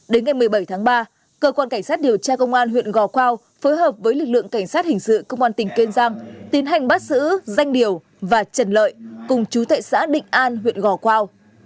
đến ngày một mươi bảy tháng ba cơ quan cảnh sát điều tra công an huyện gò quao phối hợp với lực lượng cảnh sát hình sự công an tỉnh kiên giang tiến hành bắt giữ danh điều và trần lợi cùng chú thệ xã định an huyện gò quao